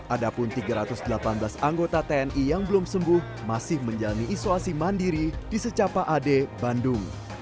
ada pun tiga ratus delapan belas anggota tni yang belum sembuh masih menjalani isolasi mandiri di secapa ad bandung